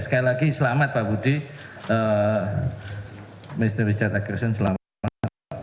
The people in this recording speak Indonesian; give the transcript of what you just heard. sekali lagi selamat pak budi ministeri jata gerson selamat